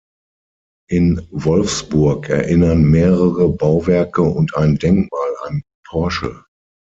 In Wolfsburg erinnern mehrere Bauwerke und ein Denkmal an Porsche.